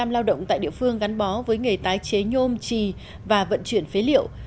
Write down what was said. chín mươi lao động tại địa phương gắn bó với nghề tái chế nhôm trì và vận chuyển phế liệu